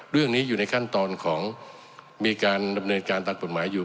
เรื่องนี้อยู่ในขั้นตอนของมีการดำเนินการตามกฎหมายอยู่